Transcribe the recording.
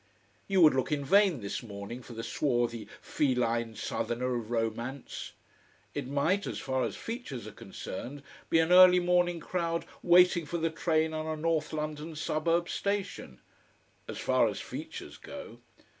You would look in vain this morning for the swarthy feline southerner of romance. It might, as far as features are concerned, be an early morning crowd waiting for the train on a north London suburb station. As far as features go.